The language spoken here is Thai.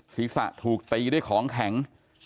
ศีรษะถูกตีด้วยของแข็ง